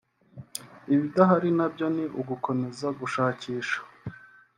ibidahari nabyo ni ugukomeza gushakisha"